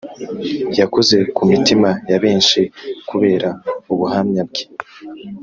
yakoze ku mitima ya benshi kubera ubuhamya bwe